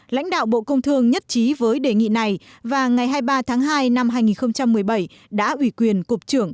lãnh đạo bộ công thương nhất trí với đề nghị này và ngày hai mươi ba tháng hai năm hai nghìn một mươi bảy đã ủy quyền cục trưởng